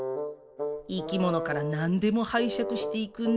生き物から何でも拝借していくね。